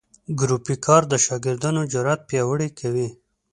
ګروپي کار د شاګردانو جرات پیاوړي کوي.